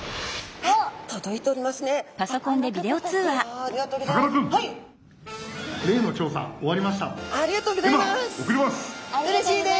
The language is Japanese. ありがとうございます。